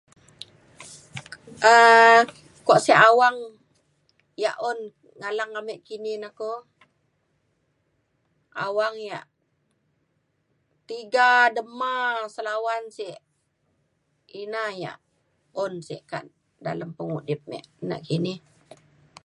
Kuak sik awang yak un ngalang lanek kini na kok awang yak tiga dema lawan sik ina sik kak dalem pengudip mek na kini.